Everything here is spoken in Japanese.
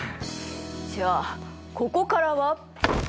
じゃあここからは。